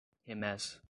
remessa